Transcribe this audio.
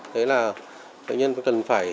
đấy là bệnh nhân cần phải